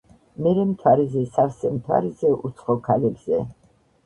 მერე მთვარეზე სავსე მთვარეზე უცხო ქალებზე.